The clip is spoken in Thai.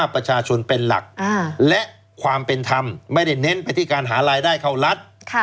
ประชาชนเป็นหลักและความเป็นธรรมไม่ได้เน้นไปที่การหารายได้เข้ารัฐ